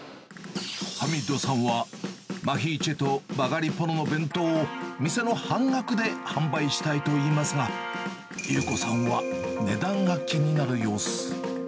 ハミッドさんは、マヒーチェとバガリポロの弁当を店の半額で販売したいと言いますが、裕子さんは値段が気になる様子。